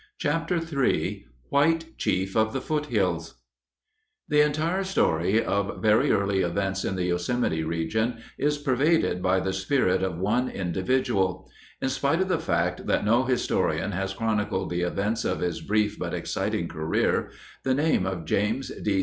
CHAPTER III WHITE CHIEF OF THE FOOTHILLS The entire story of very early events in the Yosemite region is pervaded by the spirit of one individual. In spite of the fact that no historian has chronicled the events of his brief but exciting career, the name of James D.